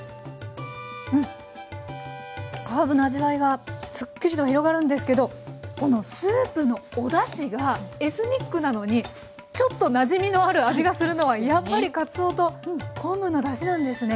ハーブの味わいがすっきりと広がるんですけどこのスープのおだしがエスニックなのにちょっとなじみのある味がするのはやっぱりかつおと昆布のだしなんですね。